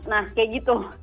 nah kayak gitu